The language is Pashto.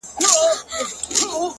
هره ورځ د عادتونو د جوړولو وخت دی